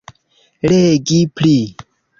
Legi pli.